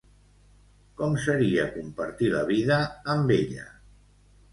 Com seria compartir la vida amb ella?